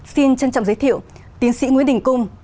xin trân trọng giới thiệu tiến sĩ nguyễn đình cung